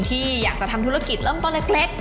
ที่อยากจะทำธุรกิจเริ่มต้นเล็ก